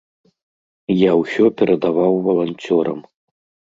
Я ўсё перадаваў валанцёрам.